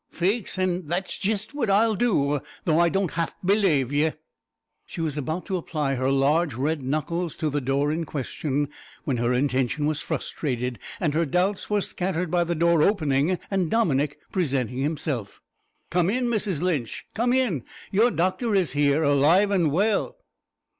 "Faix, an' that's jist what I'll do, though I don't half belave ye." She was about to apply her large red knuckles to the door in question when her intention was frustrated and her doubts were scattered by the door opening and Dominick presenting himself. "Come in, Mrs Lynch, come in. Your doctor is here, alive and well."